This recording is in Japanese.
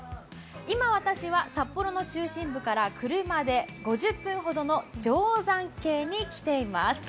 今、私は札幌の中心部から車で５０分ほどの定山渓に来ています。